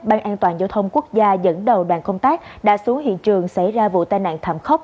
ban an toàn giao thông quốc gia dẫn đầu đoàn công tác đã xuống hiện trường xảy ra vụ tai nạn thảm khốc